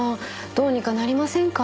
どうにかなりませんか？